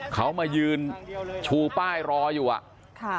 เขามายืนชูป้ายรออยู่อ่ะค่ะ